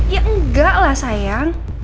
ya enggak lah sayang